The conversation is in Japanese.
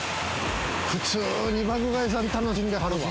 普通に爆買いさん楽しんではるわ。